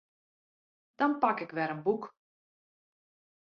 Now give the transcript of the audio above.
Dan pak ik wer in boek.